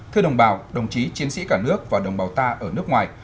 thưa đồng bào đồng chí chiến sĩ cả nước và đồng bào ta ở nước ngoài